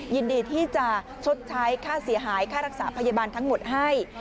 ยินดีที่จะชดใช้ค่าเสียหายค่ารักษาพยาบาลทั้งหมดให้